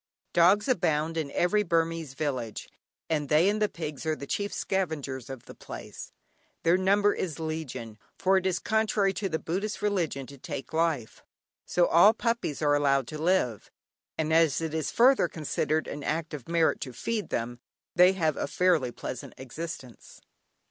Dogs abound in every Burmese village, and they and the pigs are the chief scavengers of the place. Their number is legion, for it is contrary to the Buddhist religion to take life, so all puppies are allowed to live; and as it is further considered an act of merit to feed them, they have a fairly pleasant existence.